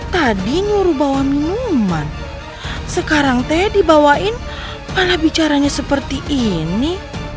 tadi nyuruh bawa minuman sekarang teh dibawain alat bicaranya seperti ini